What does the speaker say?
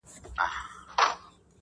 په دې خپل حلال معاش مي صبر کړی,